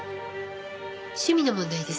趣味の問題です。